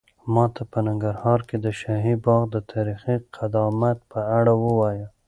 ماته په ننګرهار کې د شاهي باغ د تاریخي قدامت په اړه ووایه.